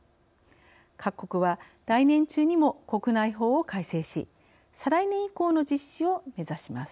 各国は来年中にも国内法を改正し再来年以降の実施を目指します。